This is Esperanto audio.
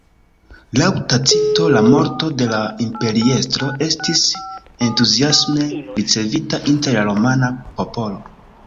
Laŭ Tacito la morto de la imperiestro estis entuziasme ricevita inter la romana popolo.